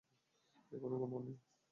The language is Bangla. এখনো ঘুমোও নি?